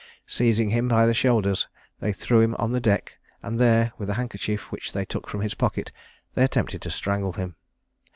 Seizing him by the shoulders, they threw him on the deck, and there, with a handkerchief which they took from his pocket, they attempted to strangle him.